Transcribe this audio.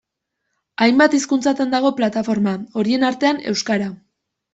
Hainbat hizkuntzatan dago plataforma, horien artean, euskara.